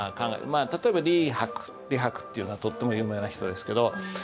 まあ例えば李白っていうのはとっても有名な人ですけど。